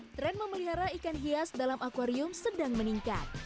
tren memelihara ikan hias dalam akwarium sedang meningkat